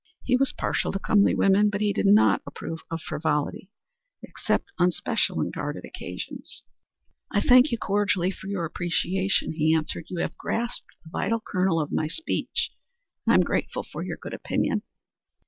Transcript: He was partial to comely women, but he did not approve of frivolity except on special and guarded occasions. "I thank you cordially for your appreciation," he answered. "You have grasped the vital kernel of my speech and I am grateful for your good opinion."